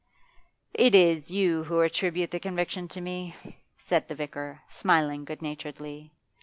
'It is, you who attribute the conviction to me,' said the vicar, smiling good naturedly.